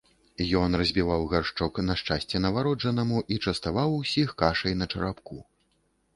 Ён разбіваў гаршчок на шчасце нованароджанаму і частаваў усіх кашай на чарапку.